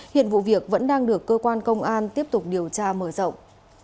hiện vụ việc vẫn đang được cơ quan công an tiếp tục điều tra mở rộng